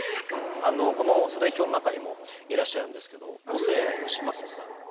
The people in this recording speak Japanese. この世代表の中にもいらっしゃるんですけど細谷佳正さん。